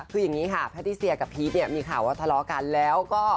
คืออย่างนี้ค่ะแพทติเซียกับพีชเนี่ยมีข่าวว่าทะเลาะกันแล้วก็